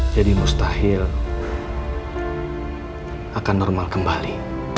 jadi mustahil akan normal kembali